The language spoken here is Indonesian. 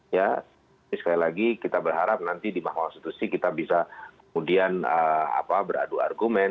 ini sekali lagi kita berharap nanti di mahkamah konstitusi kita bisa kemudian beradu argumen